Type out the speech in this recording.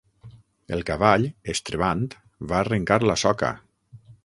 El cavall, estrebant, va arrencar la soca.